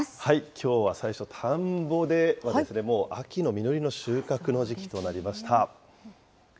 きょうは最初、田んぼで、秋の実りの収穫の時期となりました。